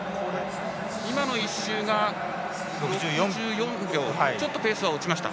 今の１周が６４秒ちょっとペースは落ちました。